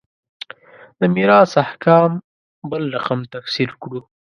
د میراث احکام بل رقم تفسیر کړو.